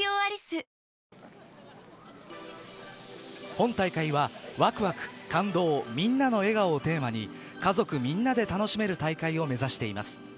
本大会はワクワク、感動、みんなの笑顔をテーマに家族みんなで楽しめる大会を目指しています。